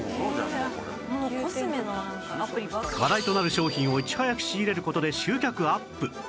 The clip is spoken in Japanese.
話題となる商品をいち早く仕入れる事で集客アップ